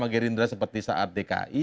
gerindra seperti saat dki